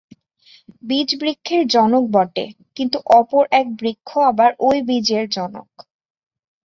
বীজ বৃক্ষের জনক বটে, কিন্তু অপর এক বৃক্ষ আবার ঐ বীজের জনক।